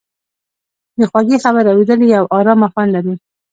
د خوږې خبرې اورېدل یو ارامه خوند لري.